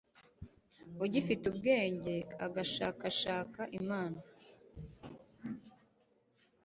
ugifite ubwenge agashakashaka Imana